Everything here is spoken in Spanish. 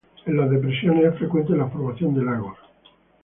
En las depresiones, es frecuente la formación de lagos.